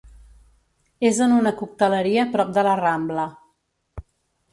És en una cocteleria prop de la Rambla.